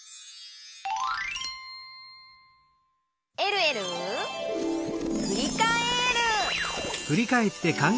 「えるえるふりかえる」